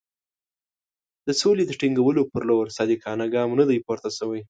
د سولې د ټینګولو پر لور صادقانه ګام نه دی پورته شوی.